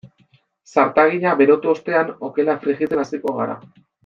Zartagina berotu ostean okela frijitzen hasiko gara.